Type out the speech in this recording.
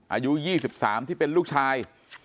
อายุ๒๓ที่เป็นลูกชาย